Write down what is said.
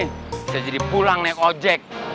bisa jadi pulang naik ojek